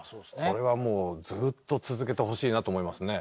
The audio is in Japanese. これはもうずーっと続けてほしいなと思いますね。